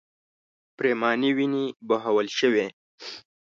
پرېمانې وینې بهول شوې.